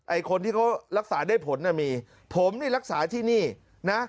คนที่เขารักษาได้ผลน่ะมีผมนี่รักษาที่นี่นะ